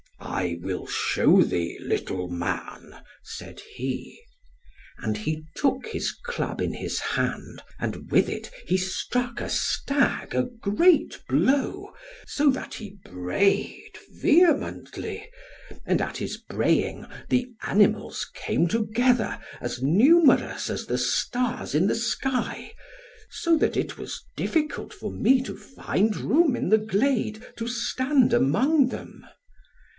'I will shew thee, little man,' said he. And he took his club in his hand, and with it he struck a stag a great blow, so that he brayed vehemently, and at his braying, the animals came together, as numerous as the stars in the sky, so that it was difficult for me to find room in the glade, to stand among them.